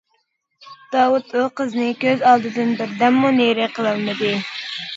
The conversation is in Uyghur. داۋۇت ئۇ قىزنى كۆز ئالدىدىن بىر دەممۇ نېرى قىلالمىدى.